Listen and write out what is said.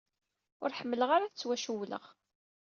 Ur ḥemmleɣ ara ad ttwacewwleɣ.